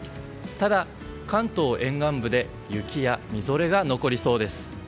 ただ、関東沿岸部で雪やみぞれが残りそうです。